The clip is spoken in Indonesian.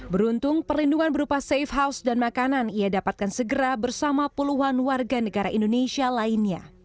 beruntung perlindungan berupa safe house dan makanan ia dapatkan segera bersama puluhan warga negara indonesia lainnya